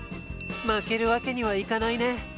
負けるわけにはいかないね。